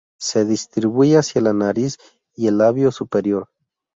Se distribuye hacia la nariz y el "labio superior".